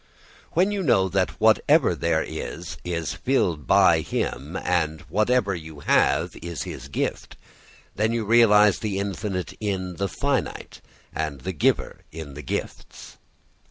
] When you know that whatever there is is filled by him and whatever you have is his gift, then you realise the infinite in the finite, and the giver in the gifts.